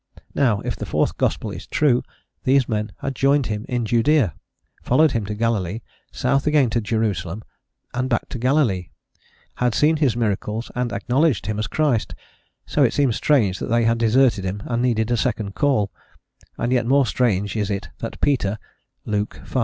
Now if the fourth gospel is true, these men had joined him in Judaea, followed him to Galilee, south again to Jerusalem, and back to Galilee, had seen his miracles and acknowledged him as Christ, so it seems strange that they had deserted him and needed a second call, and yet more strange is it that Peter (Luke v.